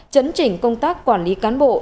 chấn trình công tác quản lý cán bộ